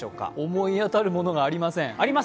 思い当たるものがありません。